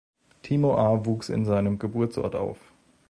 Timo Ahr wuchs in seinem Geburtsort auf.